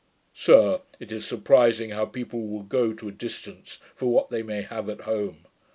Sir, it is surprising how people will go to a distance for what they may have at home.